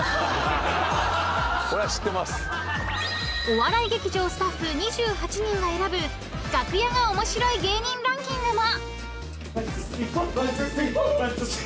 ［お笑い劇場スタッフ２８人が選ぶ楽屋が面白い芸人ランキングも］